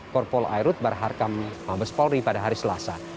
korpol airut barharkam mabes polri pada hari selasa